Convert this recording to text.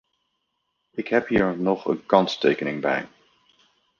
Ik heb hier nog een kanttekening bij.